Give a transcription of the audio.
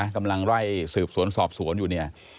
กำลังไล่สืบสวนสอบสวนอยู่เนี่ย